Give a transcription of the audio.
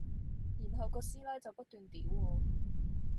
然後個師奶就不斷屌我